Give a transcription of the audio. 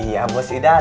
iya bos idan